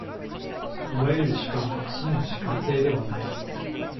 いわゆる主観は真の主観性ではない。